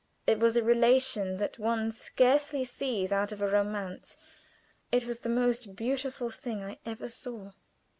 It was a relation that one scarcely sees out of a romance; it was the most beautiful thing I ever saw.